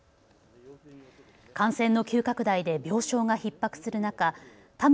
感染の急拡大で病床がひっ迫する中田村